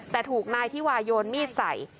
แต่ถูกนายธิวาโยนมีดใส่